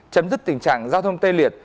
chấm dứt tình trạng giao thông tê liệt